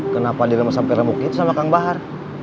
kenapa dia remas sampai remuk itu sama kang bahar